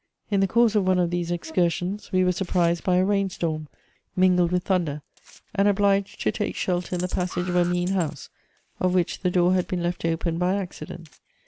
In the course of one of these excursions, we were surprised by a rain storm, mingled with thunder, and obliged to take shelter in the passage of a mean house, of which the door had been left open by accident.